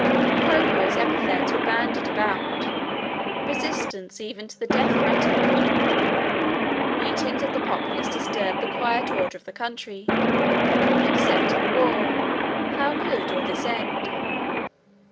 Opprobrious epithets were bandied about, resistance even to the death threatened; meetings of the populace disturbed the quiet order of the country; except in war, how could all this end?